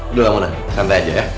udah bangunan santai aja ya